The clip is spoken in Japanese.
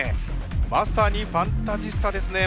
まさにファンタジスタですね松木さん。